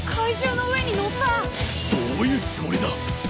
どういうつもりだ！？